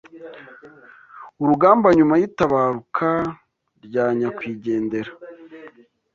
urugamba nyuma y’itabaruka rya Nyakwigendera